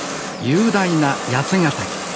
雄大な八ヶ岳